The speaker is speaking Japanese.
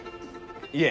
いえ。